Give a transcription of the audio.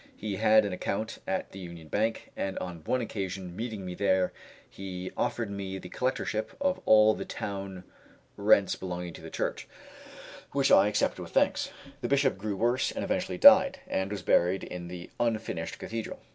He had an account at the Union Bank, and on one occasion meeting me there he offered me the collectorship of all the town rents belonging to the church, which I accepted with thanks. The Bishop grew worse, and eventually died, and was buried in the unfinished cathedral.